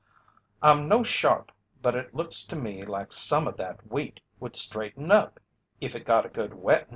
"I'm no 'sharp' but it looks to me like some of that wheat would straighten up if it got a good wettin'."